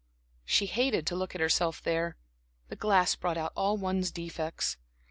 She hated to look at herself there the glass brought out all one's defects.